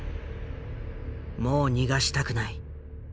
「もう逃がしたくない」。